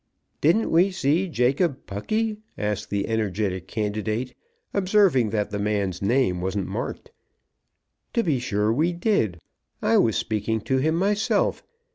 "Didn't we see Jacob Pucky?" asked the energetic candidate, observing that the man's name wasn't marked. "To be sure we did. I was speaking to him myself.